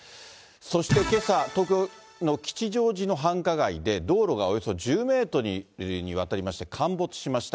そしてけさ、東京の吉祥寺の繁華街で、道路がおよそ１０メートルにわたりまして、陥没しました。